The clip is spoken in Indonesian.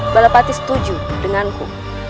bala pati setuju denganku